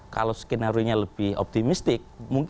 kalau skenario nya lebih optimistik